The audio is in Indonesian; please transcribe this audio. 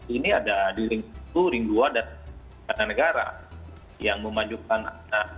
ini ada di ring satu ring dua dan di negara negara yang memanjukan anak anak